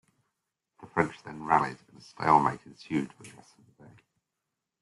The French then rallied and a stalemate ensued for the rest of the day.